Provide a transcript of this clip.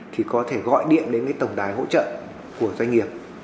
thì có thể gọi điện đến cái tổng đài hỗ trợ của doanh nghiệp